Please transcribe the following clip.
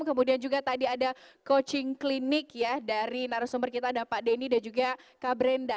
kemudian juga tadi ada coaching klinik ya dari narasumber kita ada pak denny dan juga kak brenda